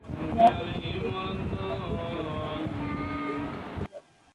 মহাত্মা গান্ধী সেতুর উদ্বোধনের পর স্টেশনটি ব্যবহার করা হয়নি এবং পরিত্যক্ত ছিল।